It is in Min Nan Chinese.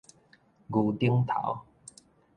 牛頂頭